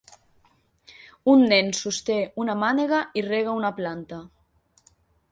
Un nen sosté una mànega i rega una planta.